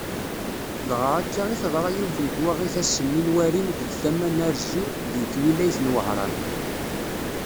Dɣa akka i teḍra yiwet n twaɣit ass-nni n warim deg tama n Arezyu deg twilayt n Wehran.